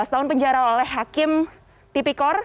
lima belas tahun penjara oleh hakim tipikor